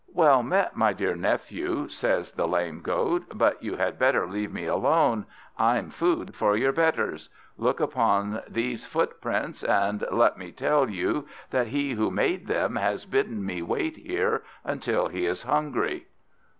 "Well met, my dear nephew," says the lame Goat. "But you had better leave me alone. I'm food for your betters. Look upon these footprints, and let me tell you that he who made them has bidden me wait here until he is hungry."